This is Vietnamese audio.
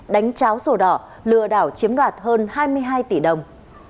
đánh cháo sổ đỏ lừa đảo chiếm đoạt hơn hai mươi hai tỷ đồng